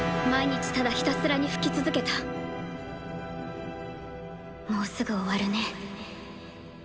ひたすらに吹き続けたもうすぐ終わるね。